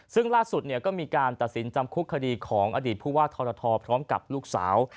ซึ่งล่าสุดก็มีการตัดสินจำคุกคดีของอดีตผู้ว่าทรทพร้อมกับลูกสาว